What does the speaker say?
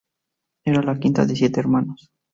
Era la quinta de siete hermanos.